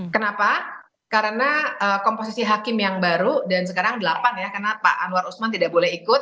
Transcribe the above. kenapa karena komposisi hakim yang baru dan sekarang delapan ya karena pak anwar usman tidak boleh ikut